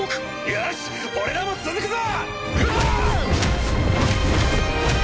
よし俺らも続くぞ！